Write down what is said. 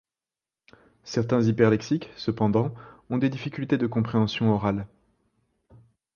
Certains hyperlexiques, cependant, ont des difficultés de compréhension orale.